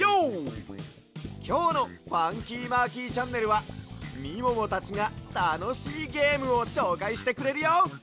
きょうの「ファンキーマーキーチャンネル」はみももたちがたのしいゲームをしょうかいしてくれるよ！